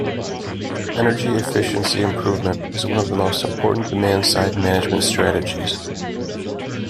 Energy efficiency improvement is one of the most important demand side management strategies.